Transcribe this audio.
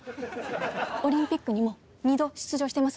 オリンピックにも２度出場してます。